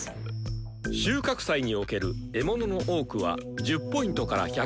収穫祭における獲物の多くは１０Ｐから１５０Ｐ。